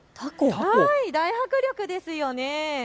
大迫力ですよね。